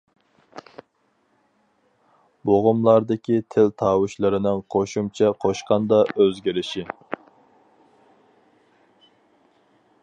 بوغۇملاردىكى تىل تاۋۇشلىرىنىڭ قوشۇمچە قوشقاندا ئۆزگىرىشى.